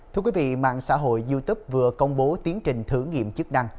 thưa quý vị mạng xã hội youtube vừa công bố tiến trình thử nghiệm chức năng